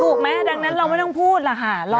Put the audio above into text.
ถูกไหมดังนั้นเราไม่ต้องพูดหรอกค่ะ